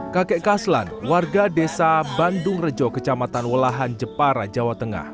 kakek kaslan warga desa bandung rejo kecamatan walahan jepara jawa tengah